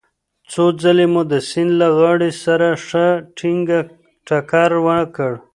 څو ځلې مو د سیند له غاړې سره ښه ټينګ ټکر وکړ.